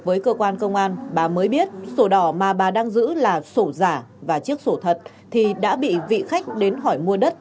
với cơ quan công an bà mới biết sổ đỏ mà bà đang giữ là sổ giả và chiếc sổ thật thì đã bị vị khách đến hỏi mua đất